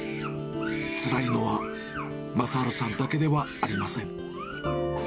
つらいのは、雅治さんだけではありません。